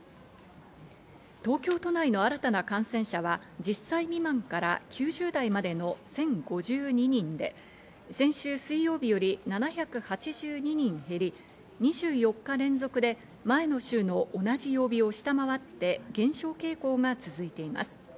東京都内の新たな感染者は１０歳未満から９０代までの１０５２人で先週水曜日より７８２人減り、２４日連続で前の週の同じ曜日を下回って、減少傾向が続いています。